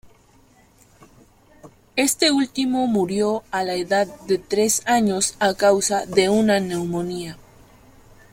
Este último murió a la edad de tres años a causa de una neumonía.